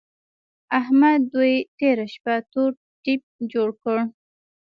احمد دوی تېره شپه تور تيپ جوړ کړ.